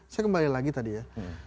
saya kembali lagi tadi ya